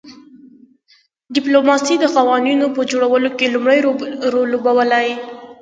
ډیپلوماسي د قوانینو په جوړولو کې لومړی رول لوبوي